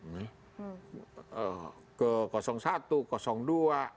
sikap demokrat ragu ragu